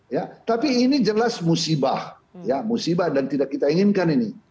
ya tapi ini jelas musibah ya musibah dan tidak kita inginkan ini